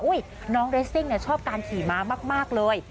อุ้ยน้องเรซิ่งเนี่ยชอบการขี่มากเลย